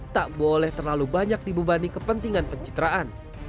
tak boleh terlalu banyak dibebani kepentingan pencitraan